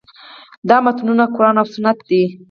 دا متنونه قران او سنت دي.